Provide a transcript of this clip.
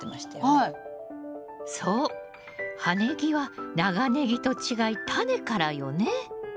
葉ネギは長ネギと違いタネからよね。